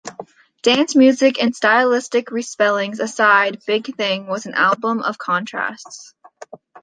Dance music and stylistic respellings aside, "Big Thing" was an album of contrasts.